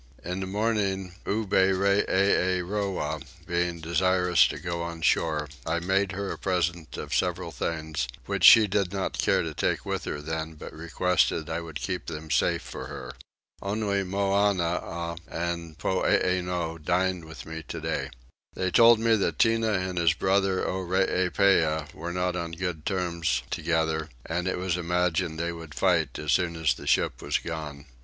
In the morning, Oberreeroah being desirous to go on shore, I made her a present of several things, which she did not care to take with her then, but requested that I would keep them safe for her. Only Moannah and Poeeno dined with me today. They told me that Tinah and his brother Oreepyah were not on good terms together, and it was imagined that they would fight as soon as the ship was gone.